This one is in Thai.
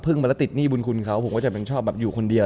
พึ่งมาแล้วติดหนี้บุญคุณเขาผมก็จะชอบอยู่คนเดียว